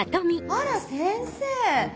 あら先生！